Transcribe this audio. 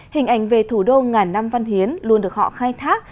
hình ảnh về thủ đô ngàn năm văn hiến luôn được họ khai thác